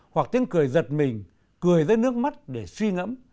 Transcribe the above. hoặc tiếng cười giật mình cười ra nước mắt để suy ngẫm